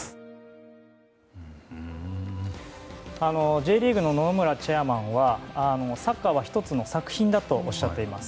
Ｊリーグの野々村チェアマンはサッカーは１つの作品だとおっしゃっています。